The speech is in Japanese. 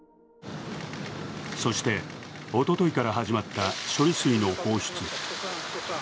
そして、おとといから始まった処理水の放出。